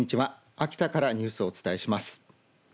秋田からニュースをお伝えします。